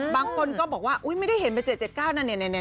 บางคนก็บอกว่าอุ๊ยไม่ได้เห็นไป๗๗๙นั่น